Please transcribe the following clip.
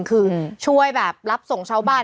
คือช่วยแบบรับส่งชาวบ้าน